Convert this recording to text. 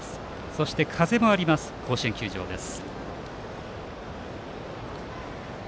そして風もある甲子園球場です。